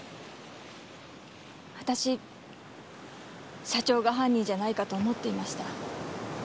私社長が犯人じゃないかと思っていました。